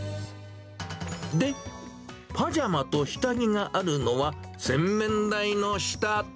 で、パジャマと下着があるのは、洗面台の下。